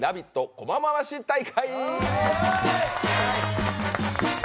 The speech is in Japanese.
コマ回し大会」